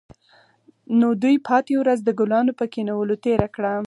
نو دوی پاتې ورځ د ګلانو په کینولو تیره کړه